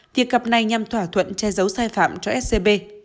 việc gặp này nhằm thỏa thuận che giấu sai phạm cho scb